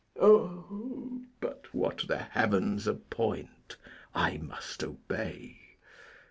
But that the heavens appoint I must obey.